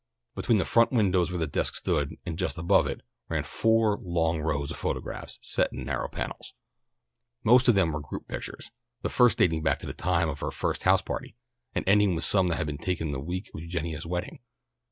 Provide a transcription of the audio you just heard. Between the front windows where the desk stood, and just above it, ran four long rows of photographs set in narrow panels. Most of them were group pictures, the first dating back to the time of her first house party, and ending with some that had been taken the week of Eugenia's wedding.